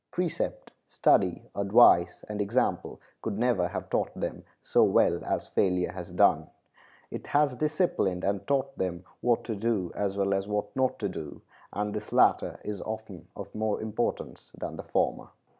Precept, study, advice, and example could never have taught them so well as failure has done. It has disciplined and taught them what to do as well as what not to do. And this latter is often of more importance than the former.